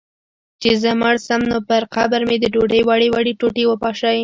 چي زه مړ سم، نو پر قبر مي د ډوډۍ وړې وړې ټوټې وپاشی